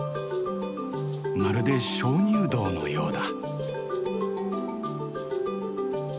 まるで鍾乳洞のようだ。